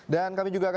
dan kami juga akan